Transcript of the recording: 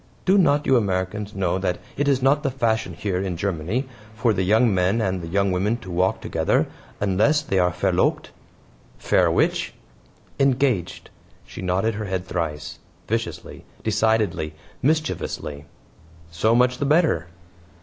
"Do not you Americans know that it is not the fashion here, in Germany, for the young men and the young women to walk together unless they are VERLOBT?" "VER which?" "Engaged." She nodded her head thrice: viciously, decidedly, mischievously. "So much the better."